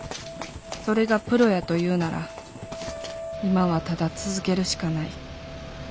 それがプロやと言うなら今はただ続けるしかない。